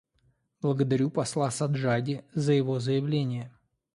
Благодарю посла Саджади за его заявление.